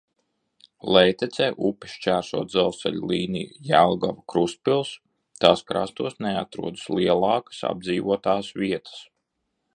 Lejtecē upi šķērso dzelzceļa līnija Jelgava–Krustpils, tās krastos neatrodas lielākas apdzīvotās vietas.